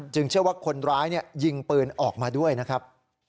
เชื่อว่าคนร้ายยิงปืนออกมาด้วยนะครับ